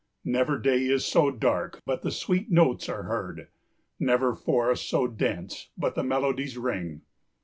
Never day is so dark but the sweet notes are heard, Never forest so dense but the melodies ring.